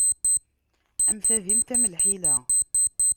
Am tadimt, am lḥila.